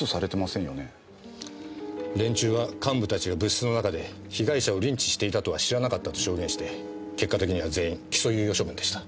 連中は幹部たちが部室の中で被害者をリンチしていたとは知らなかったと証言して結果的には全員起訴猶予処分でした。